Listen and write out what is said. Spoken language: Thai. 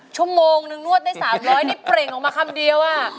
ชั่วโมงนึงนวดได้๓๐๐นี่เปล่งออกมาคำเดียว